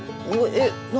えっ何？